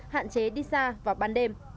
hạn chế đi xa vào ban đêm